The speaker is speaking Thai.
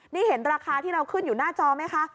นี่เห็นราคาที่เราขึ้นอยู่หน้าจอไหมคะ